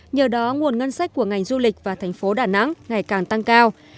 nhờ đó nguồn ngân sách của ngành du lịch và thành phố đà nẵng ngày càng tăng cao